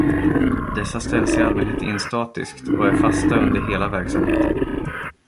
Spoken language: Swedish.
Dessa ställs i allmänhet in statiskt och är fasta under hela verksamheten.